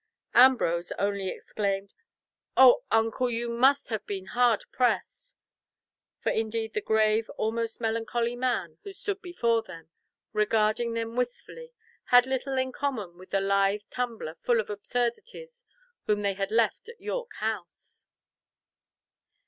Ambrose only exclaimed "O uncle, you must have been hard pressed." For indeed the grave, almost melancholy man, who stood before them, regarding them wistfully, had little in common with the lithe tumbler full of absurdities whom they had left at York House.